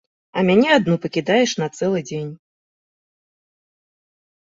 А мяне адну пакідаеш на цэлы дзень.